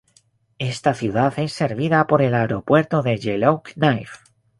Esta ciudad es servida por el Aeropuerto de Yellowknife.